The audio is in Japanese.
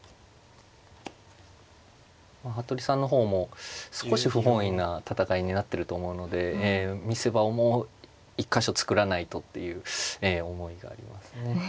服部さんの方も少し不本意な戦いになってると思うので見せ場をもう一か所作らないとっていう思いがありますね。